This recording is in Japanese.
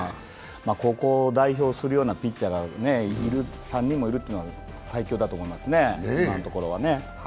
高校を代表するようなピッチャーが３人もいるというのは最強だと思いますね、今のところはね。